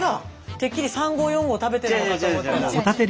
てっきり３合４合食べてるのかと思ったら。